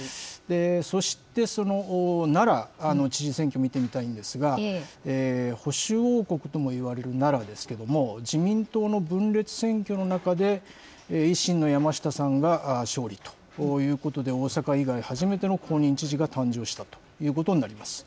そして、奈良の知事選挙を見てみたいんですが、保守王国ともいわれる奈良ですけれども、自民党の分裂選挙の中で、維新の山下さんが勝利ということで、大阪以外、初めての公認知事が誕生したということになります。